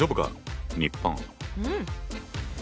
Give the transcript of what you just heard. うん。